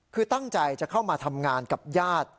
คือตั้งใจจะเข้ามาทำงานกับญาติ